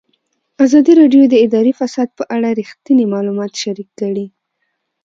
ازادي راډیو د اداري فساد په اړه رښتیني معلومات شریک کړي.